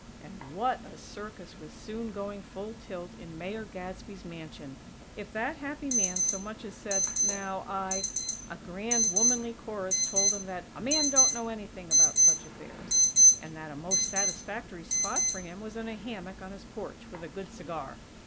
And, what a circus was soon going full tilt in Mayor Gadsby's mansion! If that happy man so much as said: "Now, I " a grand, womanly chorus told him that "a man don't know anything about such affairs;" and that a most satisfactory spot for him was in a hammock on his porch, with a good cigar!